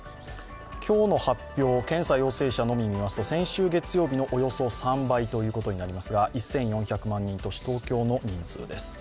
今日の発表、検査陽性者のみ見ますと先週月曜日のおよそ３倍となりますが、１４００万人都市・東京の人数です。